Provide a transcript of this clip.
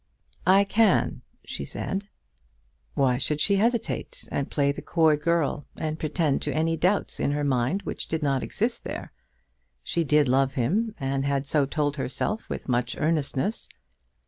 "I can," she said. Why should she hesitate, and play the coy girl, and pretend to any doubts in her mind which did not exist there? She did love him, and had so told herself with much earnestness.